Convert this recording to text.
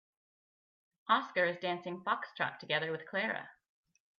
Oscar is dancing foxtrot together with Clara.